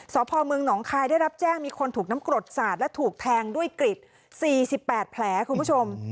สพเมืองหนองคายได้รับแจ้งมีคนถูกน้ำกรดสาดและถูกแทงด้วยกริด๔๘แผลคุณผู้ชม